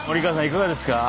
いかがですか？